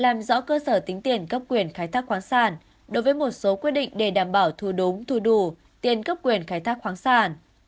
làm rõ cơ sở tính tiền cấp quyền khai thác khoáng sản đối với một số quy định để đảm bảo thu đúng thu đủ tiền cấp quyền khai thác khoáng sản